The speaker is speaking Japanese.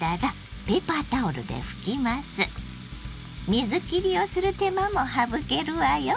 水きりをする手間も省けるわよ。